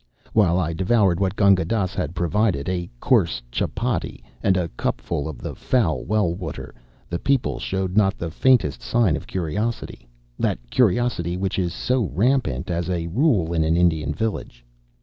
While I devoured what Gunga Dass had provided, a coarse chapatti and a cupful of the foul well water, the people showed not the faintest sign of curiosity that curiosity which is so rampant, as a rule, in an Indian village.